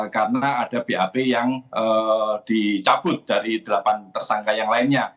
karena ada bap yang dicabut dari delapan tersangka yang lainnya